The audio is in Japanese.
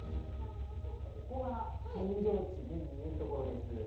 ここが扇状地全部見えるところです。